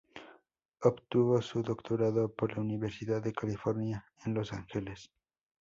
Obtuvo su doctorado por la Universidad de California en Los Ángeles